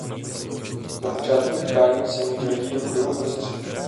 Na počátku utkání se míč hodí do kruhu uprostřed.